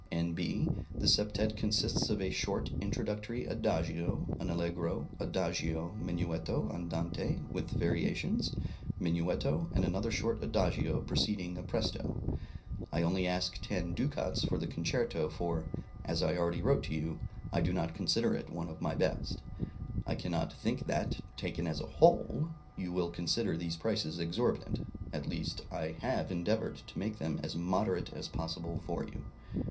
(N.B. The septet consists of a short introductory adagio, an allegro, adagio, minuetto, andante, with variations, minuetto, and another short adagio preceding a presto.) I only ask ten ducats for the concerto, for, as I already wrote to you, I do not consider it one of my best. I cannot think that, taken as a whole, you will consider these prices exorbitant; at least, I have endeavored to make them as moderate as possible for you.